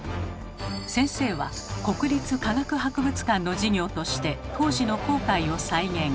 先生は国立科学博物館の事業として当時の航海を再現。